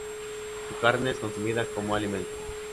Su carne es consumida como alimento.